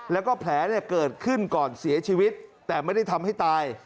แล้วก็แผลเกิดขึ้นก่อนเสียชีวิตแต่ไม่ได้ทำให้ตาย